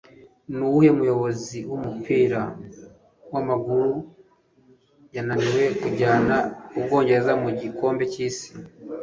Nuwuhe muyobozi wumupira wamaguru yananiwe kujyana Ubwongereza mu gikombe cyisi